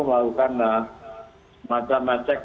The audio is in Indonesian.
melakukan macam macam flight